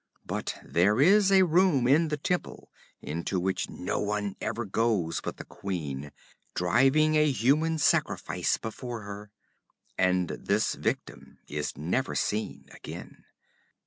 But there is a room in the temple into which none ever goes but the queen, driving a human sacrifice before her. And this victim is never seen again.